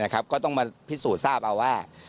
ก็ต้องมาพิสูจน์ทราบเอาว่า